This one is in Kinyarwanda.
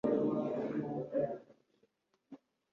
Ese yazirangarana? IvTdababwirwa ynko izazirengera vuba. "